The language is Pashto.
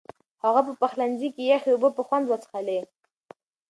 هغه په پخلنځي کې یخې اوبه په خوند وڅښلې.